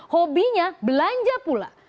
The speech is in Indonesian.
hobinya belanja pula